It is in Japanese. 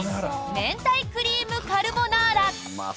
明太クリームカルボナーラ。